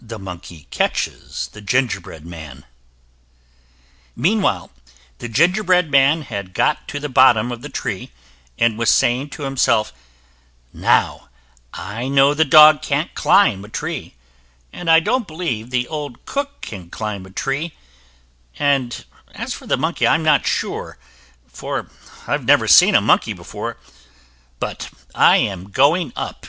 Meanwhile, the gingerbread man had got to the bottom of the tree, and was saying to himself: "Now, I know the dog can't climb a tree, and I don't believe the old cook can climb a tree; and as for the monkey I'm not sure, for I've never seen a monkey before, but I am going up."